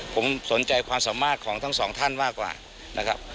ผมสนใจความสามารถของทั้งสองท่านมากกว่านะครับ